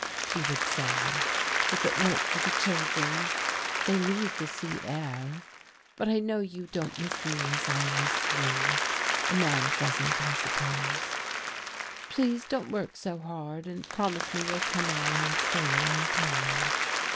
she would say. "If it weren't for the children they need the sea air. But I know you don't miss me as I miss you. A man doesn't, I suppose.... Please don't work so hard, and promise me you'll come on and stay a long time.